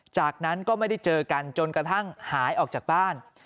จากนั้นก็ไม่ได้เจอกันจนกระทั่งหายออกจากบ้าน